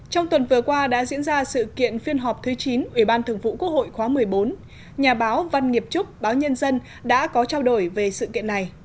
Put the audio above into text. trong tuần vừa qua đã diễn ra sự kiện phiên họp thứ chín ủy ban thường vụ quốc hội khóa một mươi bốn nhà báo văn nghiệp chúc báo nhân dân đã có trao đổi về sự kiện này